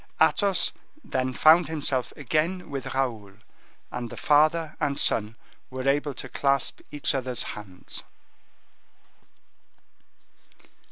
Athos then found himself again with Raoul, and the father and son were able to clasp each other's hands.